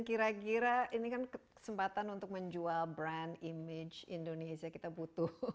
kira kira ini kan kesempatan untuk menjual brand image indonesia kita butuh